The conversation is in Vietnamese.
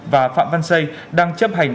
và phạm văn xây đang chấp hành